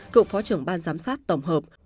cựu phó trưởng ban giám sát tổng hợp